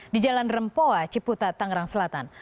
di jalan rempoa ciputa tangerang selatan